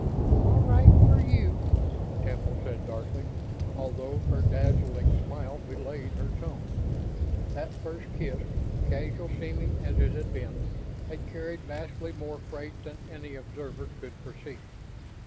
"All right for you," Temple said darkly, although her dazzling smile belied her tone. That first kiss, casual seeming as it had been, had carried vastly more freight than any observer could perceive.